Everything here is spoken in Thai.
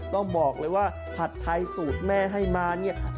ต้องบอกเลยว่าผัดไทยสูตรแม่ให้มาเนี่ย